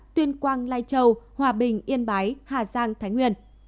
tuyên quang lai châu hòa bình yên bái hà giang thái nguyên